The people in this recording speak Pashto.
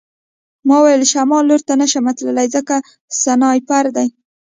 ما وویل شمال لور ته نشم تللی ځکه سنایپر دی